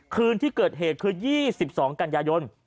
คืนที่เกิดเหตุคือ๒๒กันยายน